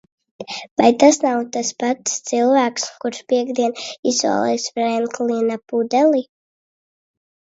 Vai tas nav tas pats cilvēks, kurš piektdien izsolīs Frenklina pudeli?